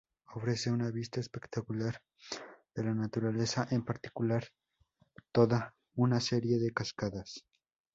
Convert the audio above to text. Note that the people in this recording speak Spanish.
Ofrece una vista espectacular de la naturaleza, en particular toda una serie de cascadas.